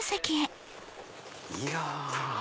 いや。